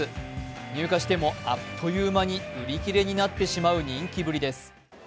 入荷しても、あっという間に売り切れになってしまう人気ぶりです。